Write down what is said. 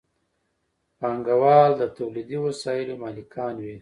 پانګوال د تولیدي وسایلو مالکان وي.